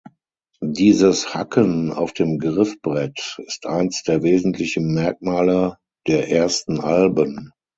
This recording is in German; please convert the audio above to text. Dieses „Hacken“ auf dem Griffbrett ist eins der wesentlichen Merkmale der ersten Alben.